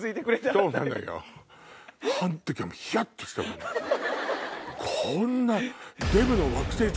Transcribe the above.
あの時はヒヤっとしたもん。